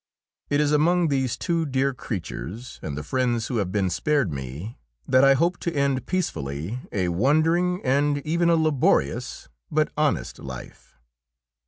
It is among these two dear creatures and the friends who have been spared me that I hope to end peacefully a wandering and even a laborious but honest life.